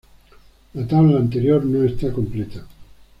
La tabla anterior no está completa.